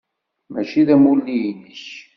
Mačči d amulli-inek.